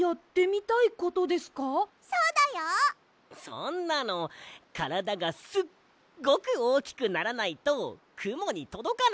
そんなのからだがすっごくおおきくならないとくもにとどかないよ。